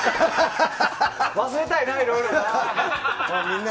忘れたいな、いろいろな。